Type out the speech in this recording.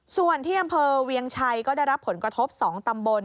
ส่วนที่อำเภอเวียงชัยก็ได้รับผลกระทบ๒ตำบล